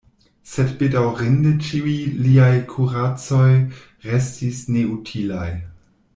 Sed bedaŭrinde ĉiuj liaj kuracoj restis neutilaj.